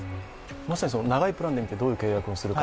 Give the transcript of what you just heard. まさに長いプランで見てどういう契約をするか。